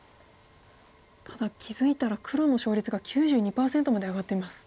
ただ気付いたら黒の勝率が９２％まで上がってます。